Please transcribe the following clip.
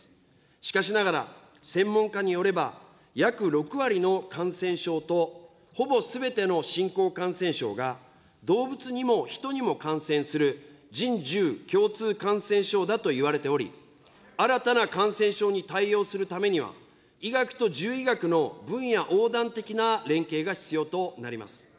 しかしながら、専門家によれば、約６割の感染症とほぼすべての新興感染症が、動物にも人にも感染する人獣共通感染症だといわれており、新たな感染症に対応するためには、医学と獣医学の分野横断的な連携が必要となります。